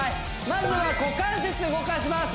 まずは股関節動かします